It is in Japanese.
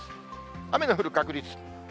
雨の降る確率。